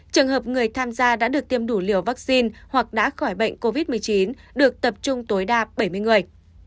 trường hợp người tham gia đã được tiêm đủ liều vaccine hoặc đã khỏi bệnh covid một mươi chín được tập trung tối đa bảy mươi người